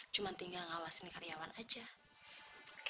cuman tinggal ngawasin karyawan aja oke itu dong